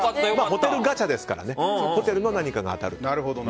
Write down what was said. ホテルガチャですからホテルの何かが当たると。